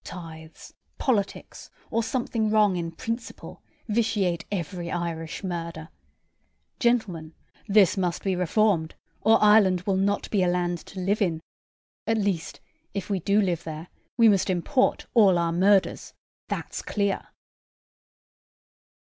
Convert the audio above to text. Tithes, politics, or something wrong in principle, vitiate every Irish murder. Gentlemen, this must be reformed, or Ireland will not be a land to live in; at least, if we do live there, we must import all our murders, that's clear."